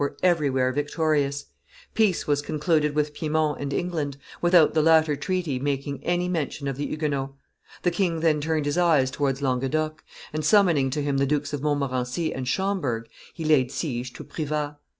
were everywhere victorious; peace was concluded with Piedmont and England, without the latter treaty making any mention of the Huguenots. The king then turned his eyes towards Languedoc, and, summoning to him the Dukes of Montmorency and Schomberg, he laid siege to Privas.